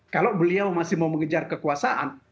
kalau beliau masih mau mengejar kekuasaan